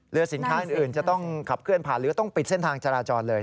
สินค้าอื่นจะต้องขับเคลื่อนผ่านหรือต้องปิดเส้นทางจราจรเลย